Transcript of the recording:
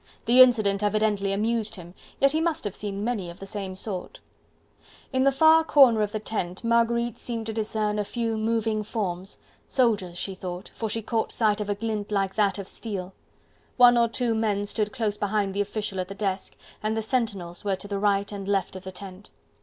The incident evidently amused him, yet he must have seen many of the same sort; in the far corner of the tent Marguerite seemed to discern a few moving forms, soldiers, she thought, for she caught sight of a glint like that of steel. One or two men stood close behind the official at the desk, and the sentinels were to the right and left of the tent.